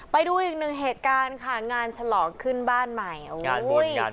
ไปดูอีกหนึ่งเหตุการณ์ค่ะงานฉลองขึ้นบ้านใหม่โอ้โหงาน